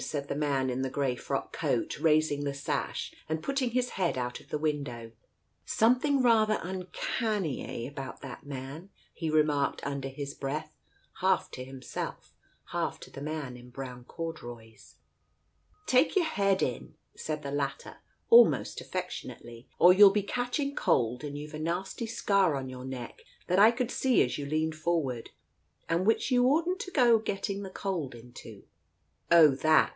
" said the man in the grey frock coat, raising the sash and putting his head out of the window. ... "Something rather uncanny, eh, about that man ?" he remarked under his breath, half to himself, half to the man in brown corduroys. "Take your head in," said the latter, almost affection ately, "or you'll be catching cold, and you've a nasty scar on your neck that I could see as you leaned forward, and which you oughtn't to go getting the cold into." " Oh, that